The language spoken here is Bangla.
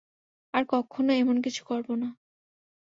আর কক্ষনো এমন কিছু করবো না।